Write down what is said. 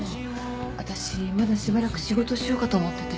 私まだしばらく仕事しようかと思ってて。